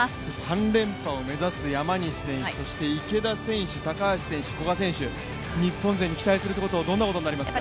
３連覇を目指す山西選手そして池田選手高橋選手、古賀選手、日本勢に期待するのはどんなことになりますか？